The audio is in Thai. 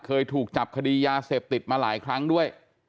เคยถูกจับคดียาเสพติดมาหลายครั้งด้วย